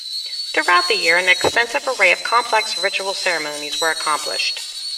Throughout the year, an extensive array of complex ritual ceremonies were accomplished.